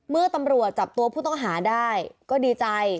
เมื่อตำรวจจับตัวผู้ต้องหาได้ก็ดีใจ